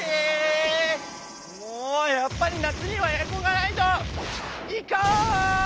もうやっぱり夏にはエアコンがないと！